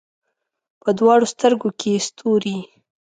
په دواړو سترګو کې یې ستوري